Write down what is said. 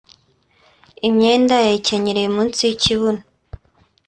imyenda yayicyenyereye munsi y’ikibuno